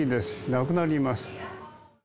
なくなります。